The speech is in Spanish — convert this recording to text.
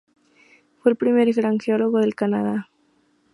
Fue el primer gran geólogo del Canadá.